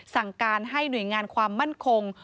สั่งการให้หน่วยงานความมั่นคง